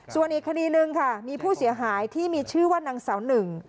ส่วนอีกคดีหนึ่งค่ะมีผู้เสียหายที่มีชื่อว่านางสาวหนึ่ง